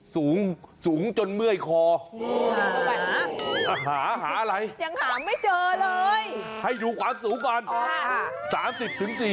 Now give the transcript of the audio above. สูงสูงจนเมื่อยคอหาหาอะไรยังหาไม่เจอเลยให้ดูความสูงก่อน